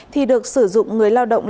thì được sử dụng người lao động